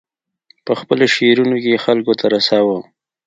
په خپلو شعرونو کې یې خلکو ته رساوه.